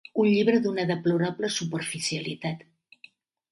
Un llibre d'una deplorable superficialitat.